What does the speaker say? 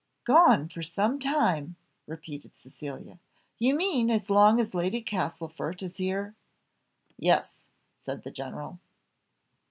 "Gone for some time!" repeated Cecilia, "you mean as long as Lady Castlefort is here." "Yes," said the general.